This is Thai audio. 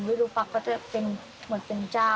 สกุลวิรุณปักก็จะเป็นเหมือนเป็นเจ้า